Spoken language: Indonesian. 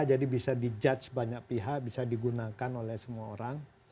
jadi bisa di judge banyak pihak bisa digunakan oleh semua orang